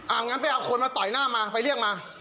งั้นไปเอาคนมาต่อยหน้ามาไปเรียกมา